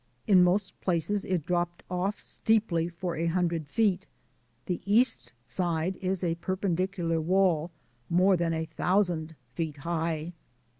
In most places it dropped off steeply for a hundred feet. The east side is a per pendicular wall more than a thousand feet high.